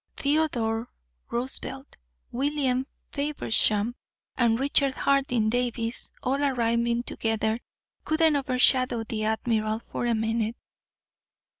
Theodore Roosevelt, William Faversham, and Richard Harding Davis all arriving together couldn't overshadow the admiral for a minute."